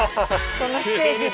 このステージで。